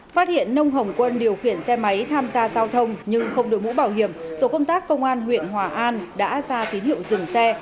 phát hiện nông hồng quân điều khiển xe máy tham gia giao thông nhưng không đổi mũ bảo hiểm tổ công tác công an huyện hòa an đã ra tín hiệu dừng xe